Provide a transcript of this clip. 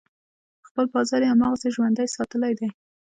خپل بازار یې هماغسې ژوندی ساتلی دی.